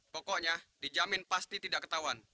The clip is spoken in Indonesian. pokoknya dijamin pasti tidak ketahuan